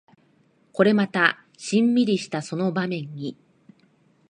これまたシンミリしたその場面に